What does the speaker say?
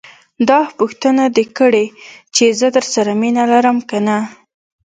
داح پوښتنه دې کړې چې زه درسره مينه لرم که نه.